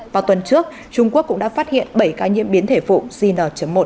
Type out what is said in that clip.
vào tuần trước trung quốc cũng đã phát hiện bảy ca nhiễm biến thể vụ zn một